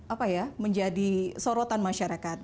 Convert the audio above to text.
apa ya menjadi sorotan masyarakat